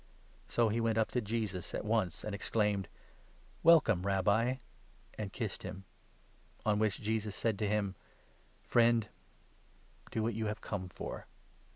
So he went up to Jesus at once, and exclaimed :" Welcome, 49 Rabbi !" and kissed him ; on which Jesus said to him : 50 " Friend, do what you have come for."